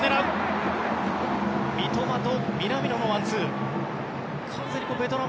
三笘と南野のワンツー。